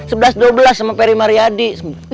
sebelas dubelas sama peri mariadi